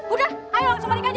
udah ayo langsung balik aja